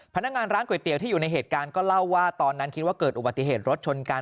พนักงานร้านก๋วยเตี๋ยวที่อยู่ในเหตุการณ์ก็เล่าว่าตอนนั้นคิดว่าเกิดอุบัติเหตุรถชนกัน